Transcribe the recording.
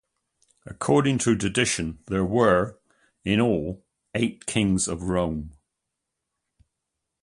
According to tradition, there were, in all, eight kings of Rome.